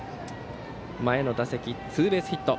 前の打席、ツーベースヒット。